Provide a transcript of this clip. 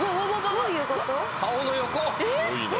顔の横！